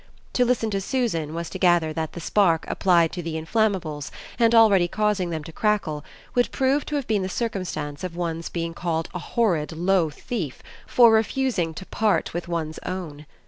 To listen to Susan was to gather that the spark applied to the inflammables and already causing them to crackle would prove to have been the circumstance of one's being called a horrid low thief for refusing to part with one's own.